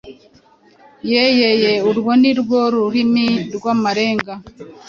Yeee urwo ni rwo rurimi rw’amarenga.